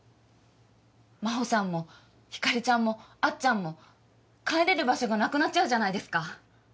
真帆さんも光莉ちゃんもあっちゃんも帰れる場所がなくなっちゃうじゃないですか。